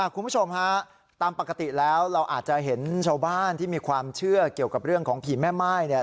คุณผู้ชมฮะตามปกติแล้วเราอาจจะเห็นชาวบ้านที่มีความเชื่อเกี่ยวกับเรื่องของผีแม่ม่ายเนี่ย